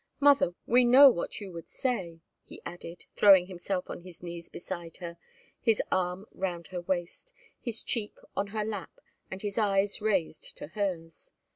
"Mother, we know what you would say," he added, throwing himself on his knees beside her, his arm round her waist, his cheek on her lap, and his eyes raised to hers.